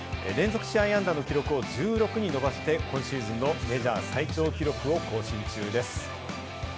連続試合安打の記録を１６に伸ばして、今シーズンのメジャー最長記録を更新中です。